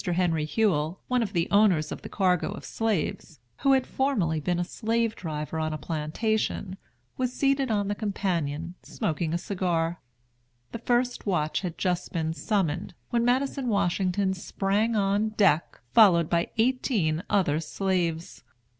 Henry Hewell, one of the owners of the cargo of slaves, who had formerly been a slave driver on a plantation, was seated on the companion, smoking a cigar. The first watch had just been summoned, when Madison Washington sprang on deck, followed by eighteen other slaves.